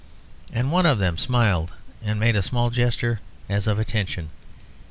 And one of them smiled and made a small gesture as of attention.